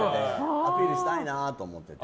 アピールしたいなと思って。